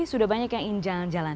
sudah banyak yang jalan jalan